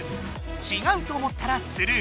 「ちがう」と思ったらスルー。